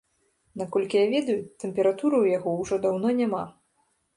Наколькі я ведаю, тэмпературы ў яго ўжо даўно няма.